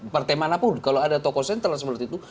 partai mana pun kalau ada tokoh sentral seperti itu